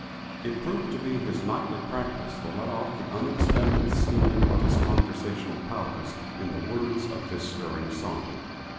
It proved to be his nightly practice to let off the unexpended steam of his conversational powers, in the words of this stirring song.